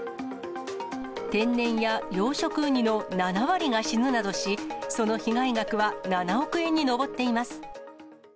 天然や養殖ウニの７割が死ぬなどし、その被害額は７億円に上っています。